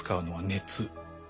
熱？